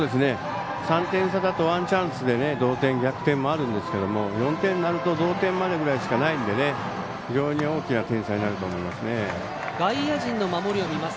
３点差だとワンチャンスで同点、逆転もあるんですけど４点になると同点までぐらいしかないので非常に大きな点差になると思います。